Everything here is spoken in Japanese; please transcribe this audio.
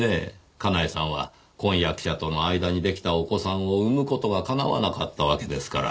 かなえさんは婚約者との間に出来たお子さんを産む事が叶わなかったわけですから。